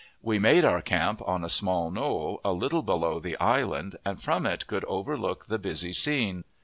We made our camp on a small knoll, a little below the island, and from it could overlook the busy scene.